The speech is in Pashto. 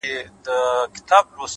پكښي مي وليدې ستا خړي سترگي!